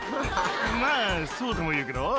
まあ、そうともいうけど。